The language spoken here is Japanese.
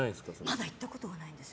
まだ行ったことがないんです